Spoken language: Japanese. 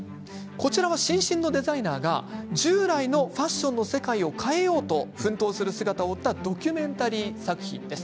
こちらは新進のデザイナーが従来のファッションの世界を変えようと奮闘する姿を追ったドキュメンタリー作品です。